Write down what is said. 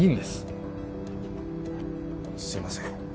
すいません